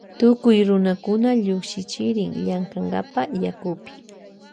Tukuy runakuna llukshirin llankankapa yakupi.